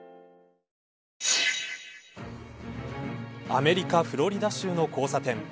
アメリカフロリダ州の交差点。